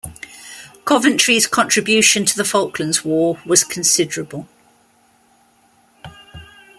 "Coventry"s contribution to the Falklands War was considerable.